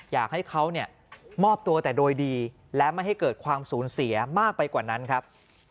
อยากให้เขาเนี่ยมอบตัวแต่โดยดีและไม่ให้เกิดความสูญเสียมากไปกว่านั้นครับ